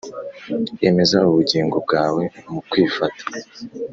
emeza ubugingo bwawe mu kwifata,